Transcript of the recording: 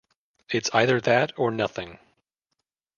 It’s either that or nothing.